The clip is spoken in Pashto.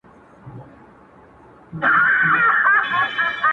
خدای دي نه کړي مفکوره مي سي غلامه،